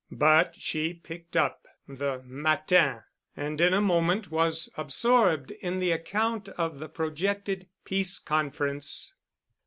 But she picked up the Matin and in a moment was absorbed in the account of the projected Peace Conference.